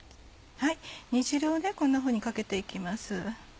煮汁をこんなふうにかけて行きます。